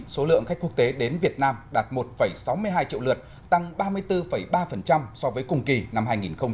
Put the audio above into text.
số lượng khách quốc tế đến việt nam đạt một sáu mươi hai triệu lượt tăng ba mươi bốn ba so với cùng kỳ năm hai nghìn một mươi tám